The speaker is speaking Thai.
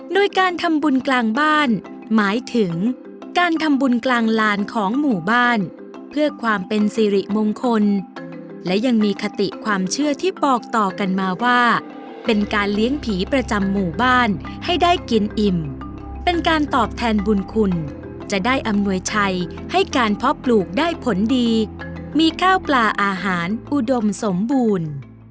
โดยการทำบุญกลางบ้านหมายถึงการทำบุญกลางลานของหมู่บ้านเพื่อความเป็นสิริมงคลและยังมีคติความเชื่อที่บอกต่อกันมาว่าเป็นการเลี้ยงผีประจำหมู่บ้านให้ได้กินอิ่มเป็นการตอบแทนบุญคุณจะได้อำนวยชัยให้การเพาะปลูกได้ผลดีมีข้าวปลาอาหารอุดมสมบูรณ์